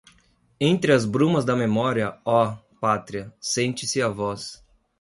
Entre as brumas da memória, oh, pátria, sente-se a voz